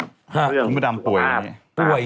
คุณกำลังป่วยเนี่ยป่วยเลย